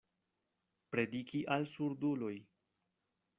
Prediki al surduloj.